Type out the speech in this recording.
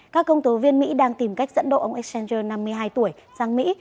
các công tố viên mỹ đang tìm cách dẫn độ ông exchanger năm mươi hai tuổi sang mỹ